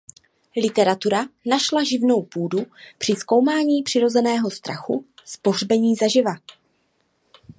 Literatura našla živnou půdu při zkoumání přirozeného strachu z pohřbení zaživa.